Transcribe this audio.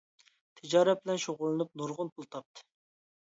تىجارەت بىلەن شۇغۇللىنىپ نۇرغۇن پۇل تاپتى.